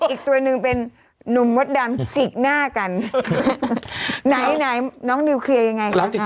อีกตัวหนึ่งเป็นนุ่มมดดำจิกหน้ากันไหนไหนน้องนิวเคลียร์ยังไง